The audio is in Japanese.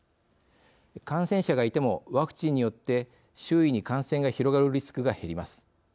感染者がいてもワクチンによって周囲に感染が広がるリスクが減ります。